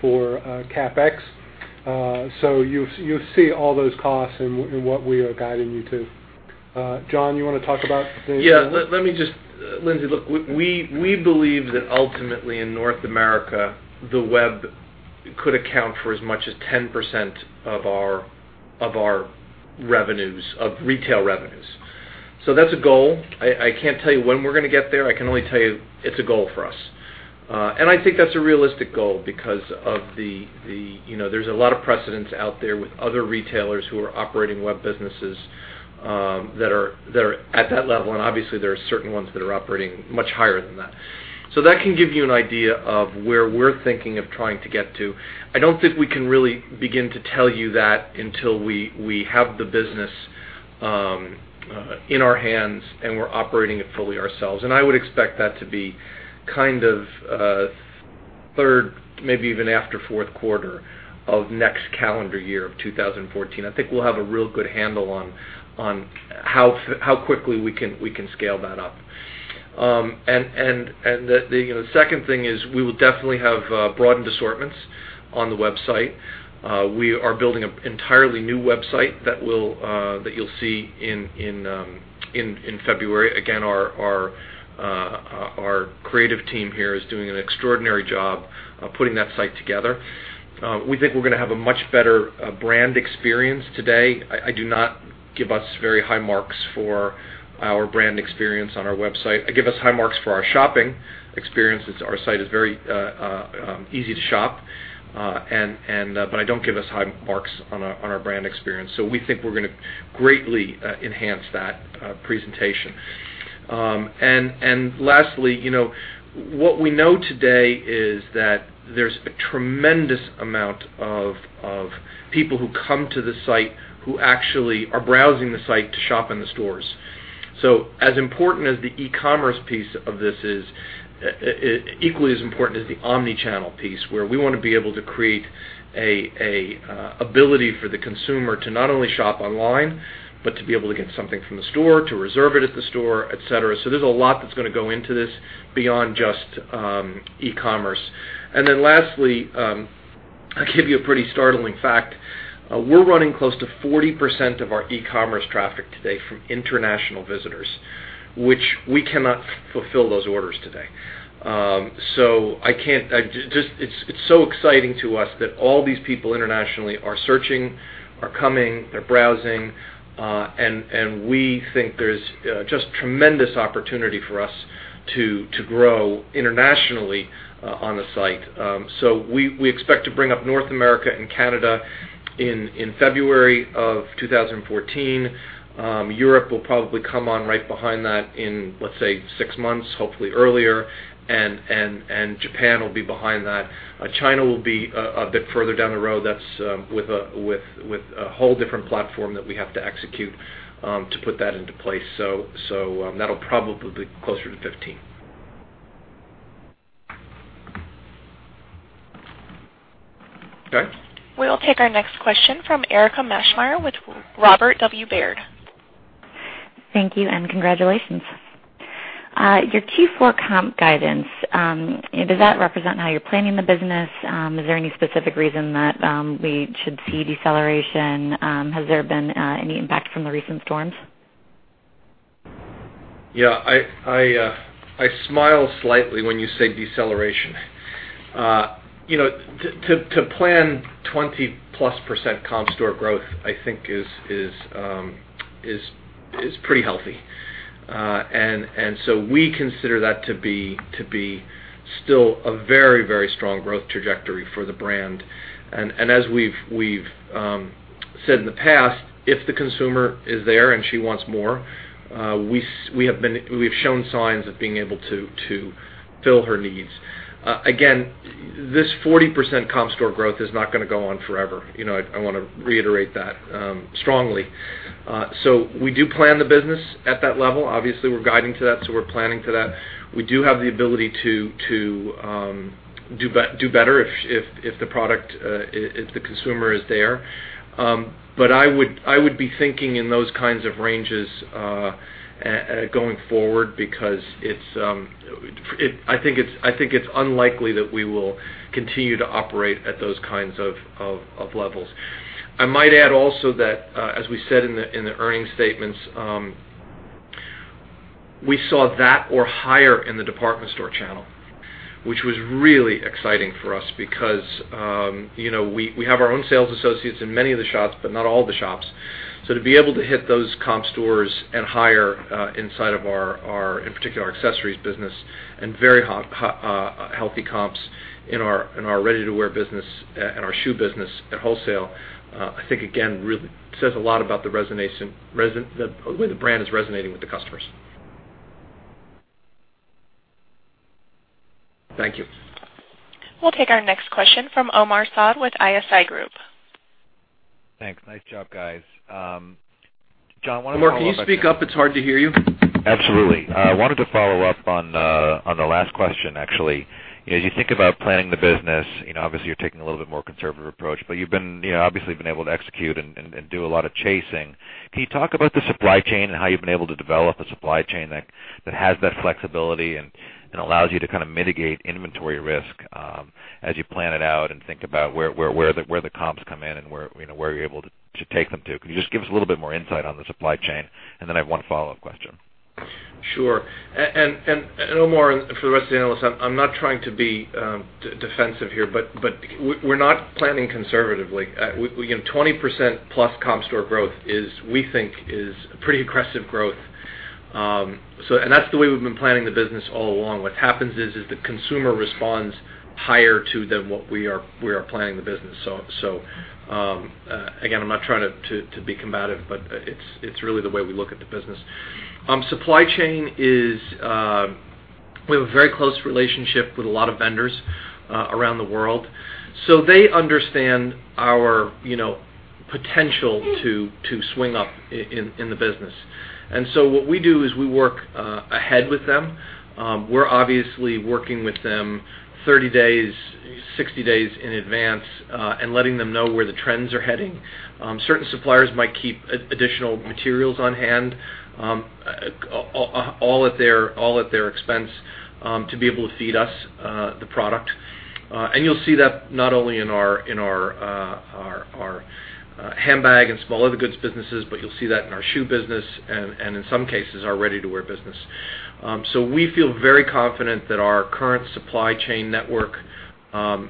for CapEx. You'll see all those costs in what we are guiding you to. John, you want to talk about the- Lindsay, look, we believe that ultimately in North America, the web could account for as much as 10% of our retail revenues. That's a goal. I can't tell you when we're going to get there. I can only tell you it's a goal for us. I think that's a realistic goal because there's a lot of precedents out there with other retailers who are operating web businesses that are at that level, and obviously there are certain ones that are operating much higher than that. That can give you an idea of where we're thinking of trying to get to. I don't think we can really begin to tell you that until we have the business in our hands and we're operating it fully ourselves. I would expect that to be third, maybe even after fourth quarter of next calendar year of 2014. I think we'll have a real good handle on how quickly we can scale that up. The second thing is we will definitely have broadened assortments on the website. We are building an entirely new website that you'll see in February. Our creative team here is doing an extraordinary job of putting that site together. We think we're going to have a much better brand experience today. I do not give us very high marks for our brand experience on our website. I give us high marks for our shopping experience, as our site is very easy to shop. I don't give us high marks on our brand experience. We think we're going to greatly enhance that presentation. Lastly, what we know today is that there's a tremendous amount of people who come to the site who actually are browsing the site to shop in the stores. As important as the e-commerce piece of this is, equally as important is the omni-channel piece, where we want to be able to create an ability for the consumer to not only shop online, but to be able to get something from the store, to reserve it at the store, et cetera. There's a lot that's going to go into this beyond just e-commerce. Lastly, I'll give you a pretty startling fact. We're running close to 40% of our e-commerce traffic today from international visitors. Which we cannot fulfill those orders today. It's so exciting to us that all these people internationally are searching, are coming, they're browsing. We think there's just tremendous opportunity for us to grow internationally on the site. We expect to bring up North America and Canada in February of 2014. Europe will probably come on right behind that in, let's say, six months, hopefully earlier. Japan will be behind that. China will be a bit further down the road. That's with a whole different platform that we have to execute to put that into place. That'll probably be closer to 2015. Okay. We will take our next question from Erika Maschmeyer with Robert W. Baird. Thank you, and congratulations. Your Q4 comp guidance, does that represent how you're planning the business? Is there any specific reason that we should see deceleration? Has there been any impact from the recent storms? Yeah. I smile slightly when you say deceleration. To plan 20%-plus comp store growth, I think is pretty healthy. We consider that to be still a very strong growth trajectory for the brand. As we've said in the past, if the consumer is there and she wants more, we've shown signs of being able to fill her needs. Again. This 40% comp store growth is not going to go on forever. I want to reiterate that strongly. We do plan the business at that level. Obviously, we're guiding to that. We're planning to that. We do have the ability to do better if the consumer is there. I would be thinking in those kinds of ranges going forward because I think it's unlikely that we will continue to operate at those kinds of levels. I might add also that, as we said in the earnings statements, we saw that or higher in the department store channel, which was really exciting for us because we have our own sales associates in many of the shops, but not all of the shops. To be able to hit those comp stores and hire inside of our, in particular, accessories business and very healthy comps in our ready-to-wear business and our shoe business at wholesale, I think, again, really says a lot about the way the brand is resonating with the customers. Thank you. We'll take our next question from Omar Saad with ISI Group. Thanks. Nice job, guys. John, I want to follow up. Omar, can you speak up? It's hard to hear you. Absolutely. I wanted to follow up on the last question, actually. As you think about planning the business, obviously, you're taking a little bit more conservative approach, but you've obviously been able to execute and do a lot of chasing. Can you talk about the supply chain and how you've been able to develop a supply chain that has that flexibility and allows you to mitigate inventory risk as you plan it out and think about where the comps come in and where you're able to take them to? Can you just give us a little bit more insight on the supply chain? Then I have one follow-up question. Sure. Omar, and for the rest of the analysts, I'm not trying to be defensive here, but we're not planning conservatively. Again, 20% plus comp store growth, we think is pretty aggressive growth. That's the way we've been planning the business all along. What happens is the consumer responds higher to than what we are planning the business. Again, I'm not trying to be combative, but it's really the way we look at the business. Supply chain is we have a very close relationship with a lot of vendors around the world, so they understand our potential to swing up in the business. So what we do is we work ahead with them. We're obviously working with them 30 days, 60 days in advance and letting them know where the trends are heading. Certain suppliers might keep additional materials on hand all at their expense to be able to feed us the product. You'll see that not only in our handbag and Small Leather Goods businesses, but you'll see that in our shoe business and in some cases, our ready-to-wear business. We feel very confident that our current supply chain network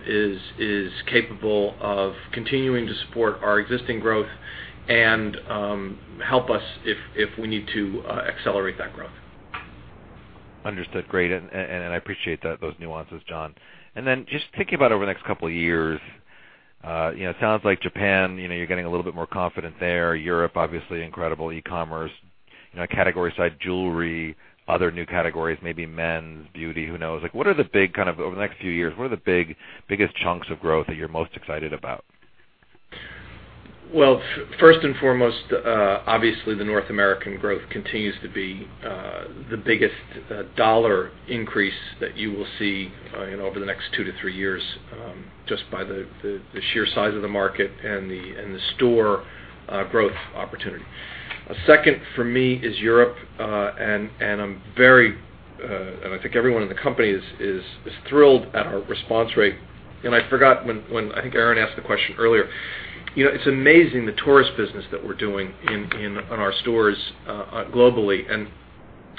is capable of continuing to support our existing growth and help us if we need to accelerate that growth. Understood. Great. I appreciate those nuances, John. Just thinking about over the next couple of years, it sounds like Japan, you're getting a little bit more confident there. Europe, obviously, incredible. E-commerce, category side, jewelry, other new categories, maybe men's beauty, who knows? Over the next few years, what are the biggest chunks of growth that you're most excited about? Well, first and foremost, obviously, the North American growth continues to be the biggest dollar increase that you will see over the next two to three years, just by the sheer size of the market and the store growth opportunity. A second for me is Europe. I'm very, and I think everyone in the company is thrilled at our response rate. I forgot when I think Erinn asked the question earlier. It's amazing the tourist business that we're doing in our stores globally.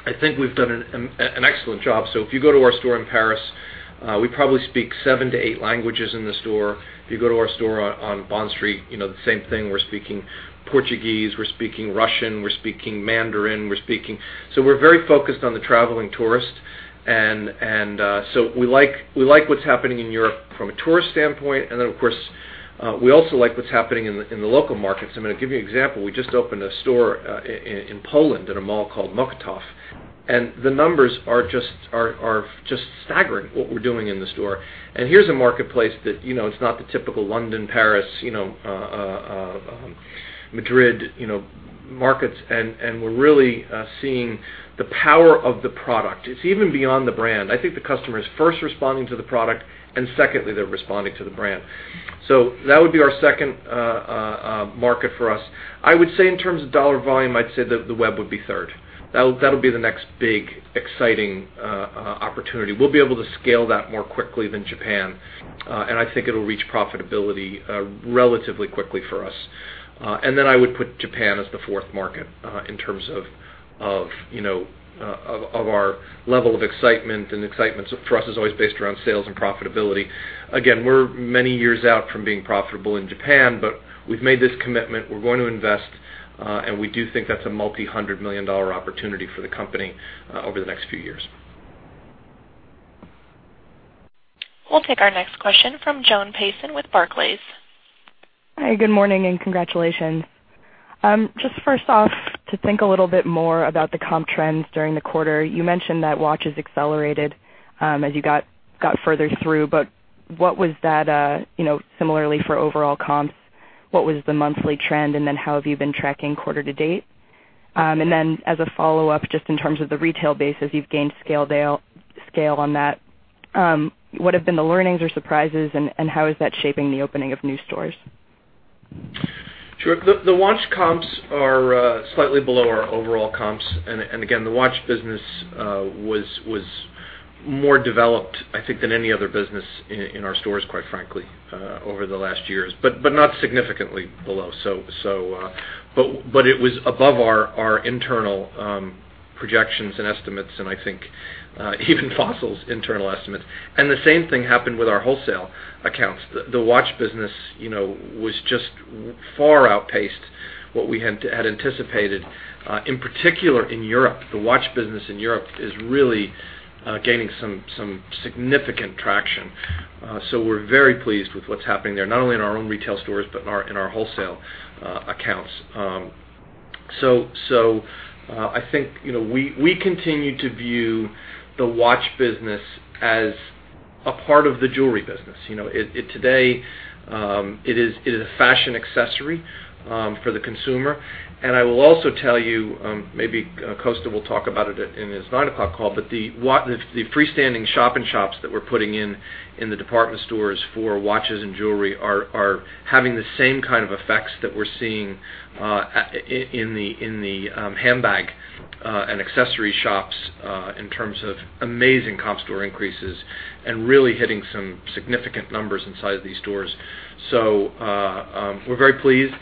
I think we've done an excellent job. If you go to our store in Paris, we probably speak seven to eight languages in the store. If you go to our store on Bond Street, the same thing. We're speaking Portuguese, we're speaking Russian, we're speaking Mandarin. We're very focused on the traveling tourist. We like what's happening in Europe from a tourist standpoint. Of course, we also like what's happening in the local markets. I'm going to give you an example. We just opened a store in Poland at a mall called Mokotów, and the numbers are just staggering what we're doing in the store. Here's a marketplace that it's not the typical London, Paris, Madrid markets. We're really seeing the power of the product. It's even beyond the brand. I think the customer is first responding to the product, and secondly, they're responding to the brand. That would be our second market for us. I would say in terms of dollar volume, I'd say that the web would be third. That'll be the next big exciting opportunity. We'll be able to scale that more quickly than Japan. I think it'll reach profitability relatively quickly for us. I would put Japan as the fourth market in terms of our level of excitement. Excitement for us is always based around sales and profitability. Again, we're many years out from being profitable in Japan. We've made this commitment. We're going to invest, and we do think that's a multi-hundred million dollar opportunity for the company over the next few years. We'll take our next question from Joan Payson with Barclays. Hi, good morning and congratulations. First off, to think a little bit more about the comp trends during the quarter. You mentioned that watches accelerated as you got further through, what was that similarly for overall comps, what was the monthly trend, how have you been tracking quarter to date? As a follow-up, in terms of the retail base, as you've gained scale on that, what have been the learnings or surprises, and how is that shaping the opening of new stores? Sure. The watch comps are slightly below our overall comps. Again, the watch business was more developed, I think, than any other business in our stores, quite frankly, over the last years. Not significantly below. It was above our internal projections and estimates and I think even Fossil's internal estimates. The same thing happened with our wholesale accounts. The watch business far outpaced what we had anticipated, in particular in Europe. The watch business in Europe is really gaining some significant traction. We're very pleased with what's happening there, not only in our own retail stores, but in our wholesale accounts. I think we continue to view the watch business as a part of the jewelry business. Today, it is a fashion accessory for the consumer. I will also tell you, maybe Kosta will talk about it in his 9 o'clock call, the freestanding shop-in-shops that we're putting in the department stores for watches and jewelry are having the same kind of effects that we're seeing in the handbag and accessory shops in terms of amazing comp store increases and really hitting some significant numbers inside these stores. We're very pleased.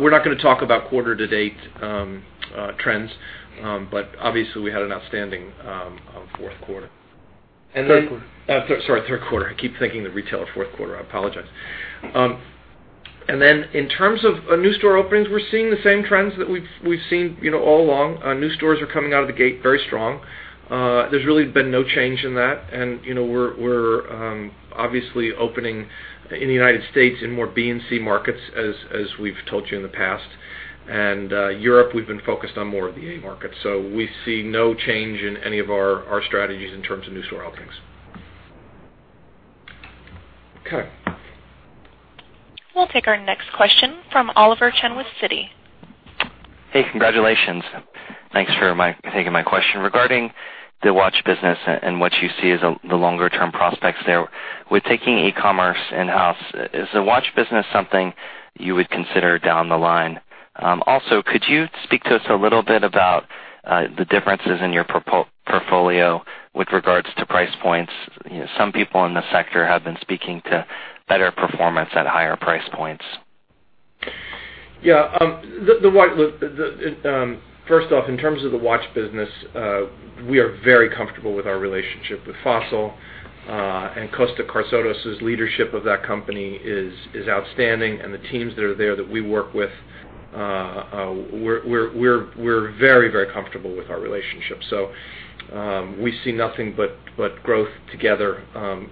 We're not going to talk about quarter to date trends, obviously we had an outstanding fourth quarter. Third quarter. Sorry, third quarter. I keep thinking the retailer fourth quarter. I apologize. In terms of new store openings, we're seeing the same trends that we've seen all along. New stores are coming out of the gate very strong. There's really been no change in that. We're obviously opening in the U.S. in more B and C markets as we've told you in the past. Europe, we've been focused on more of the A markets. We see no change in any of our strategies in terms of new store openings. Okay. We'll take our next question from Oliver Chen with Citi. Hey, congratulations. Thanks for taking my question. Regarding the watch business and what you see as the longer term prospects there, with taking e-commerce in-house, is the watch business something you would consider down the line? Also, could you speak to us a little bit about the differences in your portfolio with regards to price points? Some people in the sector have been speaking to better performance at higher price points. Yeah. First off, in terms of the watch business, we are very comfortable with our relationship with Fossil, and Kosta Kartsotis' leadership of that company is outstanding, and the teams that are there that we work with, we're very comfortable with our relationship. We see nothing but growth together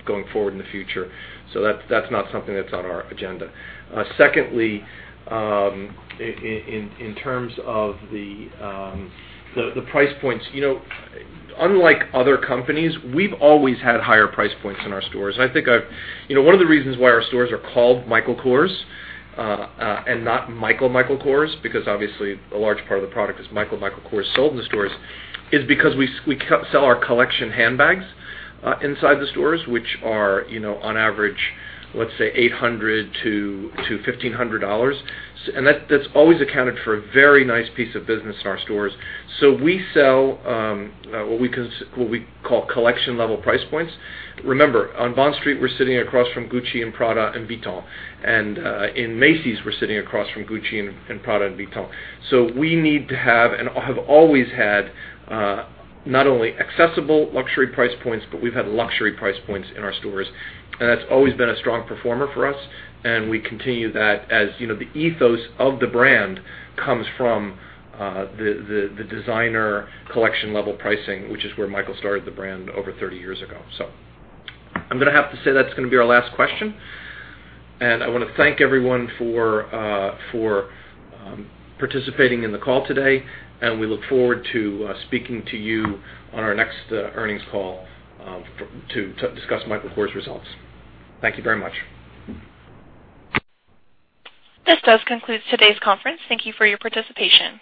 going forward in the future. That's not something that's on our agenda. Secondly, in terms of the price points, unlike other companies, we've always had higher price points in our stores. One of the reasons why our stores are called Michael Kors, and not MICHAEL Michael Kors, because obviously a large part of the product is MICHAEL Michael Kors sold in the stores, is because we sell our collection handbags inside the stores, which are, on average, let's say $800 to $1,500. That's always accounted for a very nice piece of business in our stores. We sell what we call collection level price points. Remember, on Bond Street, we're sitting across from Gucci and Prada and Vuitton. In Macy's, we're sitting across from Gucci and Prada and Vuitton. We need to have and have always had not only accessible luxury price points, but we've had luxury price points in our stores. That's always been a strong performer for us, and we continue that as the ethos of the brand comes from the designer collection level pricing, which is where Michael started the brand over 30 years ago. I'm going to have to say that's going to be our last question. I want to thank everyone for participating in the call today, and we look forward to speaking to you on our next earnings call to discuss Michael Kors results. Thank you very much. This does conclude today's conference. Thank you for your participation.